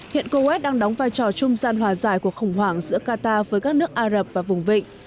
hiện coes đang đóng vai trò trung gian hòa giải cuộc khủng hoảng giữa qatar với các nước ả rập và vùng vịnh